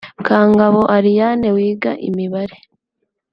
Kangabo Ariane wiga Imibare